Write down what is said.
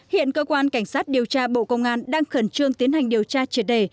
hiện cơ quan cảnh sát điều tra bộ công an đang khẩn trương tiến hành điều tra triệt đề